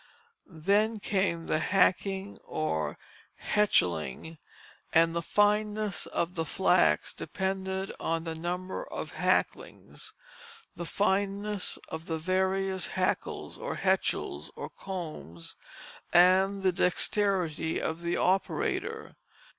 Then came the hackling or hetcheling, and the fineness of the flax depended upon the number of hacklings, the fineness of the various hackles or hetchels or combs, and the dexterity of the operator.